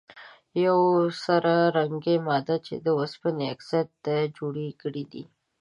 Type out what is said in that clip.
یوه سره رنګې ماده چې د اوسپنې اکسایډ ده جوړه کړي ده.